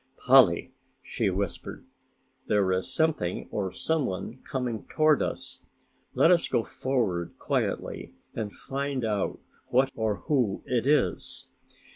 "Polly," she whispered, "there is something or someone coming toward us; let us go forward quietly and find out what or who it is."